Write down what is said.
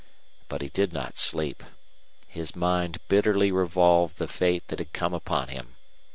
But he did not sleep. His mind bitterly revolved the fate that had come upon him.